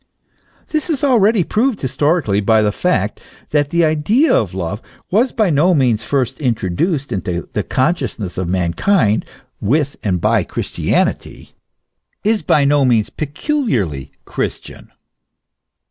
This is already proved historically by the fact that the idea of love was by no means first introduced into the consciousness of mankind with andby Christianity, is by no means peculiarly Christian.